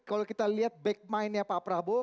kalau kita lihat back mind nya pak prabowo